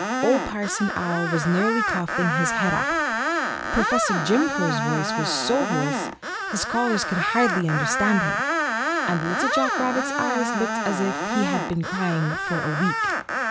Old Parson Owl was nearly coughing his head off, Professor Jim Crow's voice was so hoarse his scholars could hardly understand him, and Little Jack Rabbit's eyes looked as if he had been crying for a week.